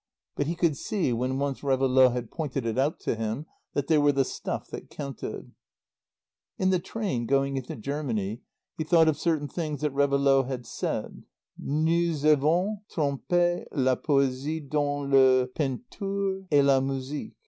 But he could see, when once Réveillaud had pointed it out to him, that they were the stuff that counted. In the train going into Germany he thought of certain things that Réveillaud had said: "Nous avons trempé la poésie dans la peinture et la musique.